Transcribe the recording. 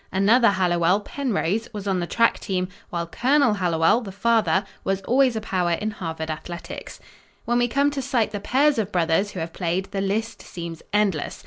Another Hallowell Penrose was on the track team, while Colonel Hallowell, the father, was always a power in Harvard athletics. When we come to cite the pairs of brothers who have played, the list seems endless.